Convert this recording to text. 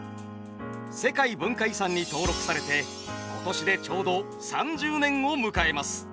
世界文化遺産に登録されて今年でちょうど３０年を迎えます。